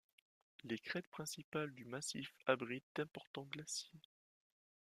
Les crêtes principales du massif abritent d'importants glaciers.